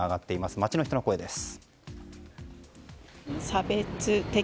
街の人の声です。